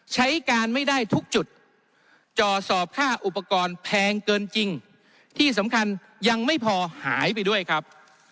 ใช้การไม่ได้ทุกจุดจ่อสอบค่าอุปกรณ์แพงเกินจริงที่สำคัญยังไม่พอหายไปด้วยครับ